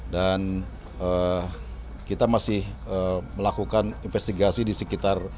dan kita masih melakukan investigasi di sekitar